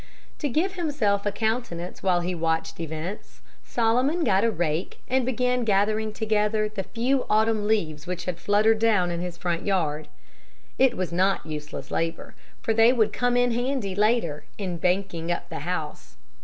To give himself a countenance while he watched events, Solomon got a rake and began gathering together the few autumn leaves which had fluttered down in his front yard. It was not useless labor, for they would "come in handy" later in "banking up" the house.